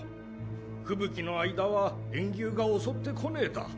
吹雪の間は炎牛が襲ってこねえだ。